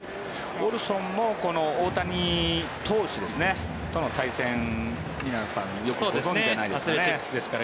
オルソンも大谷投手との対戦皆さんよくご存じじゃないですかね。